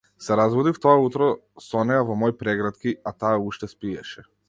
Се разбудив тоа утро со неа во мои прегратки, а таа уште спиеше.